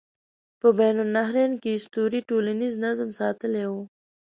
په بین النهرین کې اسطورې ټولنیز نظم ساتلی و.